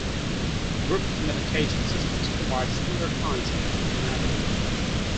Group communication systems provide similar kinds of functionality.